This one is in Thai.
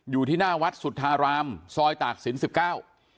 อยู่ที่หน้าวัดสุธารามซอยตากศิลปสิบเก้า